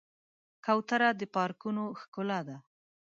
کوتره د پارکونو ښکلا ده.